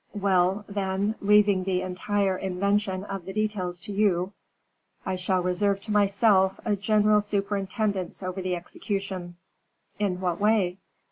"Well, then, leaving the entire invention of the details to you, I shall reserve to myself a general superintendence over the execution." "In what way?"